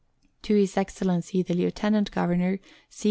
His Excellency the Lieutenant Governor, C.